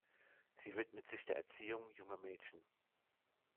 Sie widmet sich der Erziehung junger Mädchen.